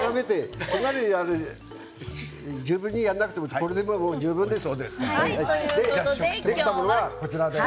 十分にやらなくてもこれでもう十分です。